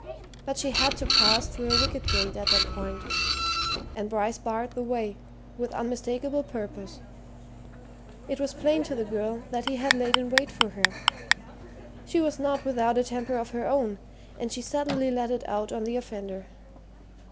But she had to pass through a wicket gate at that point, and Bryce barred the way, with unmistakable purpose. It was plain to the girl that he had laid in wait for her. She was not without a temper of her own, and she suddenly let it out on the offender.